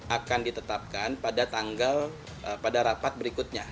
akan ditetapkan pada tanggal pada rapat berikutnya